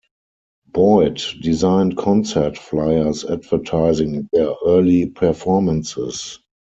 Boyd designed concert fliers advertising their early performances.